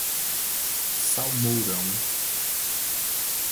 Salmourão